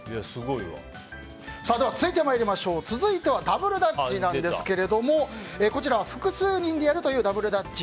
では続いてはダブルダッチなんですがこちらは複数人でやるというダブルダッチ。